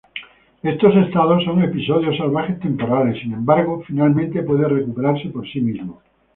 Estos estados son episodios salvajes temporales, sin embargo, finalmente puede recuperarse por sí mismo.